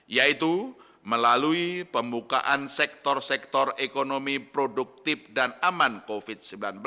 yaitu melalui pembukaan sektor sektor ekonomi produktif dan aman covid sembilan belas